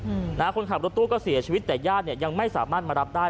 อืมนะฮะคนขับรถตู้ก็เสียชีวิตแต่ญาติเนี่ยยังไม่สามารถมารับได้